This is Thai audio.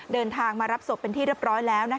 เดินทางมารับศพเป็นที่เรียบร้อยแล้ว